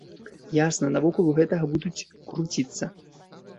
Ясна, навакол гэтага будуць круціцца.